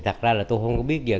thật ra là tôi không biết về